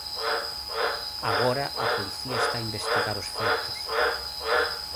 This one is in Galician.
Agora a policía está a investigar os feitos.